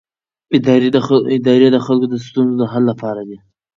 ادارې د خلکو د ستونزو د حل لپاره دي